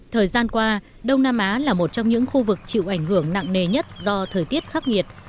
thời gian qua đông nam á là một trong những khu vực chịu ảnh hưởng nặng nề nhất do thời tiết khắc nghiệt